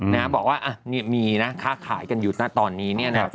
บอกว่ามีนะค้าขายกันอยู่นะตอนนี้เนี่ยนะ